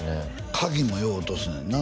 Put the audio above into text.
鍵もよう落とすねんな